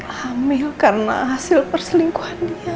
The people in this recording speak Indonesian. hamil karena hasil perselingkuhannya